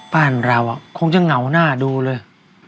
บ้านเราคงจะเหงาหน้าดูเลย